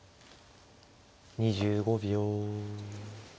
２５秒。